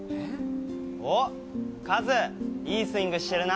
おっ、カズ、いいスイングしてるな。